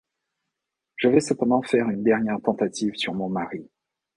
Je vais cependant faire une dernière tentative sur mon mari.